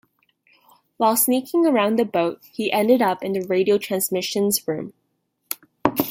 While sneaking around the boat he ended up in the radio transmissions room.